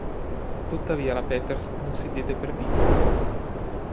Tuttavia la Peters non si diede per vinta.